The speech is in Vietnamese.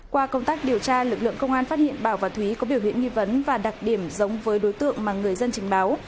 qua công tác điều tra lực lượng công an phát hiện bảo và thúy có biểu hiện nghi vấn và đặc điểm giống với đối tượng mà người dân trình báo